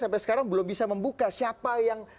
sampai sekarang belum bisa membuka siapa yang